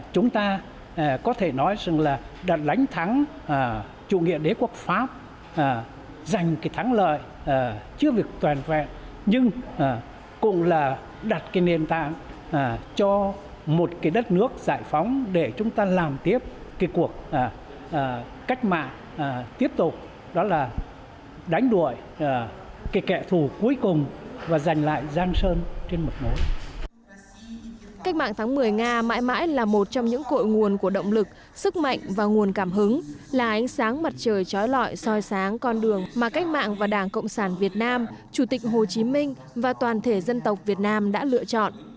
cách mạng tháng một mươi nga mãi mãi là một trong những cội nguồn của động lực sức mạnh và nguồn cảm hứng là ánh sáng mặt trời trói lọi soi sáng con đường mà cách mạng và đảng cộng sản việt nam chủ tịch hồ chí minh và toàn thể dân tộc việt nam đã lựa chọn